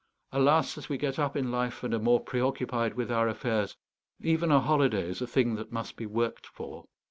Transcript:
Alas, as we get up in life, and are more preoccupied with our affairs, even a holiday is a thing that must be worked for.